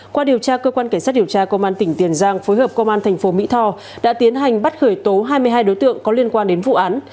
qua điều tra cơ quan cảnh sát điều tra công an tỉnh tiền giang phối hợp công an thành phố mỹ tho đã tiến hành bắt khởi tố hai mươi hai đối tượng có liên quan đến vụ án